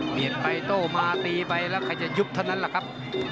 เหมียดไปโต้มาตีไปแล้วใครจะยุบเท่านั้นล่ะครับ